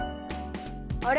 あれ？